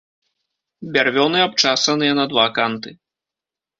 Бярвёны абчасаныя на два канты.